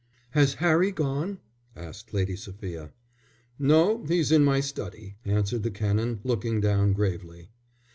"Has Harry gone?" asked Lady Sophia. "No, he's in my study," answered the Canon, looking down gravely.